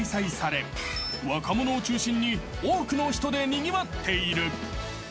［若者を中心に多くの人でにぎわっている］